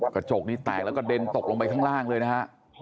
กระจกนี้แตกแล้วก็เด็นตกลงไปข้างล่างเลยนะฮะ